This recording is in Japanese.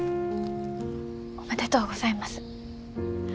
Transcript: おめでとうございます。